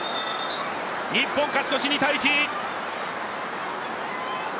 日本、勝ち越し２−１！